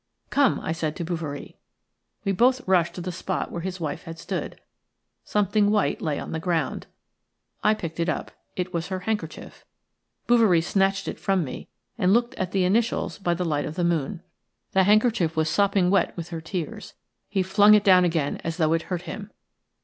"Come," I said to Bouverie. We both rushed to the spot where his wife had stood – something white lay on the ground, I picked it up. It was her handkerchief. Bouverie snatched it from me and looked at the initials by the light of the moon. The handkerchief was sopping wet with her tears. He flung it down again as though it hurt him.